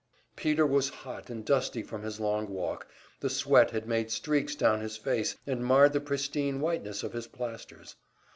Peter was hot and dusty from his long walk, the sweat had made streaks down his face and marred the pristine whiteness of his plasters.